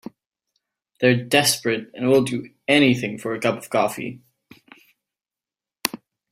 They're desperate and will do anything for a cup of coffee.